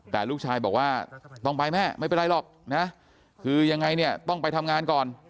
แต่ลูกชายบอกว่าต้องไปแม่ไม่เป็นไรหรอกนะคือยังไงเนี่ยต้องไปทำงานก่อน